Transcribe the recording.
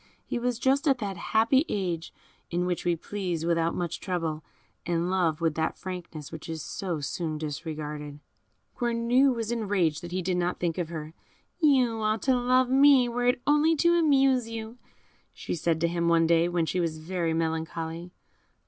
He was just at that happy age in which we please without much trouble, and love with that frankness which is so soon discarded. Cornue was enraged that he did not think of her. "You ought to love me, were it only to amuse you," said she to him, one day, when she was very melancholy.